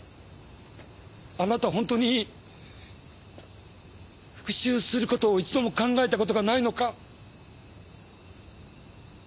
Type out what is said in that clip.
あなたほんとに復讐することを一度も考えたことがないのか？